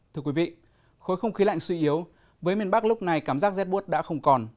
thưa quý vị khối không khí lạnh suy yếu với miền bắc lúc này cảm giác rét bút đã không còn